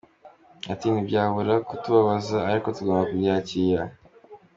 Ati "Ntibyabura kutubabaza ariko tugomba kubyakira.